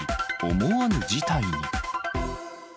思わぬ事態に。